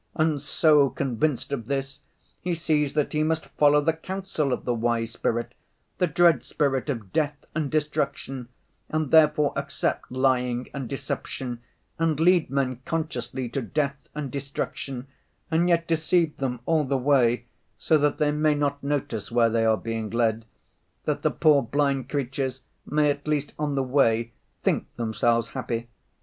And so, convinced of this, he sees that he must follow the counsel of the wise spirit, the dread spirit of death and destruction, and therefore accept lying and deception, and lead men consciously to death and destruction, and yet deceive them all the way so that they may not notice where they are being led, that the poor blind creatures may at least on the way think themselves happy.